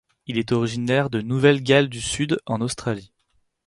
Il est originaire de Nouvelle-Galles du Sud en Australie.